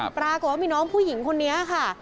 ปรากฏว่ามีน้องผู้หญิงคนนี้ค่ะ